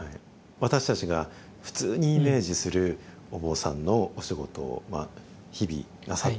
私たちが普通にイメージするお坊さんのお仕事を日々なさってるわけですよね。